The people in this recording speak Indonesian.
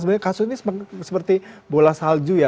sebenarnya kasus ini seperti bola salju ya